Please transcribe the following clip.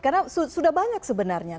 karena sudah banyak sebenarnya